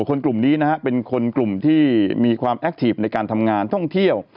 คนกลุ่มนี้นะฮะเป็นคนกลุ่มที่มีความแอคทีฟในการทำงานท่องเที่ยว